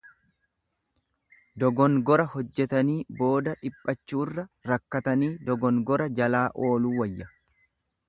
Dogongora hojjetanii booda dhiphachuurra rakkatanii dogongora jalaa ooluu wayya.